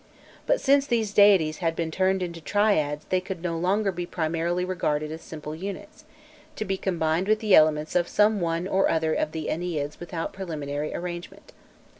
But since these deities had been turned into triads they could no longer be primarily regarded as simple units, to be combined with the elements of some one or other of the Enneads without preliminary arrangement.